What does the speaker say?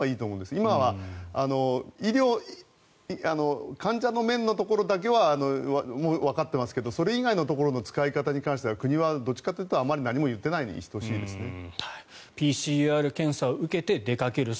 今は医療患者の面のところだけはわかっていますけれどもそれ以外のところの使い方に関しては国はどっちかっていうとあまり何も言ってないにＰＣＲを受けて出かける。